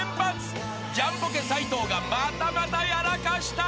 ［ジャンポケ斉藤がまたまたやらかした］